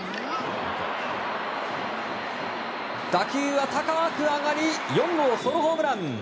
打球は高く上がり４号ソロホームラン。